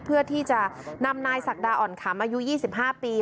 เพื่อที่จะนำนายศักดาอ่อนขำอายุ๒๕ปี